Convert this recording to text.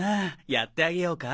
やってあげようか？